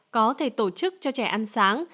có thể tổ chức cho trẻ ăn sáng